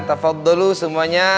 tafad dulu semuanya